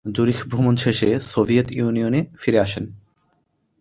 জুরিখ ভ্রমণ শেষে সোভিয়েত ইউনিয়নে ফিরে আসেন।